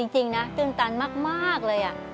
จริงนะตื่นตันมากเลย